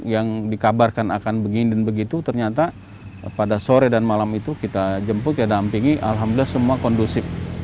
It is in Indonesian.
yang dikabarkan akan begini dan begitu ternyata pada sore dan malam itu kita jemput ya dampingi alhamdulillah semua kondusif